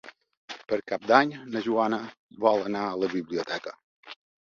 Per Cap d'Any na Joana vol anar a la biblioteca.